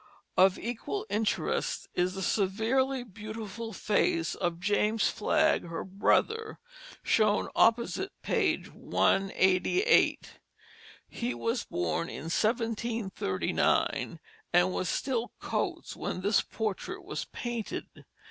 Of equal interest is the severely beautiful face of James Flagg, her brother, shown opposite page 188. He was born in 1739, and was still "coats" when this portrait was painted.